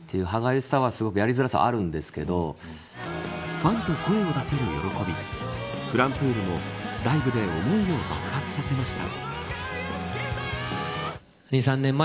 ファンと声を出せる喜びｆｌｕｍｐｏｏｌもライブで思いを爆発させました。